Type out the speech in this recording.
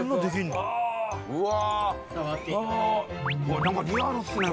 うわ！